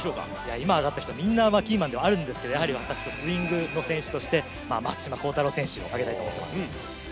今挙がった人は、みんなキーマンではあるんですけど、やはり私はウイングの選手として、松島幸太朗選手を挙げたいと思います。